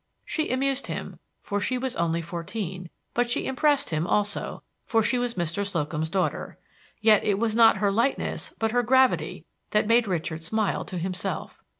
She amused him, for she was only fourteen; but she impressed him also, for she was Mr. Slocum's daughter. Yet it was not her lightness, but her gravity, that made Richard smile to himself.